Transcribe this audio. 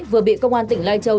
vừa bị công an tỉnh lai châu